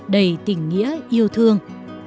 đầy tình nghĩa yêu thương